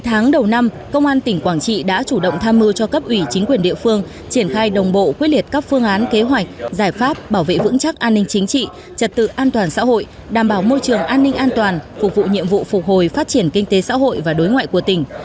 chín tháng đầu năm công an tỉnh quảng trị đã chủ động tham mưu cho cấp ủy chính quyền địa phương triển khai đồng bộ quyết liệt các phương án kế hoạch giải pháp bảo vệ vững chắc an ninh chính trị trật tự an toàn xã hội đảm bảo môi trường an ninh an toàn phục vụ nhiệm vụ phục hồi phát triển kinh tế xã hội và đối ngoại của tỉnh